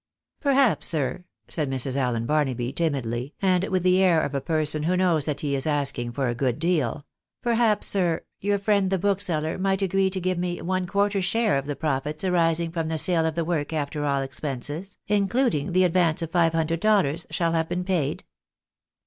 " Perhaps, sir," said Mrs. Allen Barnaby, timidly, and with the air of a person who knows that he is asking for a good deal, " per haps, sir, your friend the bookseller might agree to give me one quarter share of the profits arising from the sale of the work after aU expenses, including the advance of five hundred dollars, shall have been paid